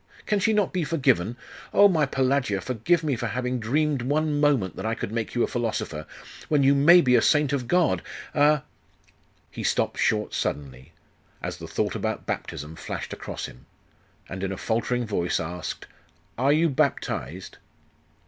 Can she not be forgiven? Oh, my Pelagia! forgive me for having dreamed one moment that I could make you a philosopher, when you may be a saint of God, a ' He stopped short suddenly, as the thought about baptism flashed across him, and in a faltering voice asked, 'Are you baptized?